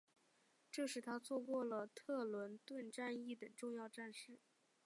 这使他错过了特伦顿战役等重要战事。